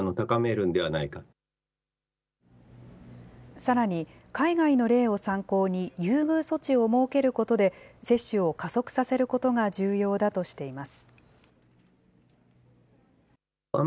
さらに海外の例を参考に、優遇措置を設けることで接種を加速させることが重要だとしています。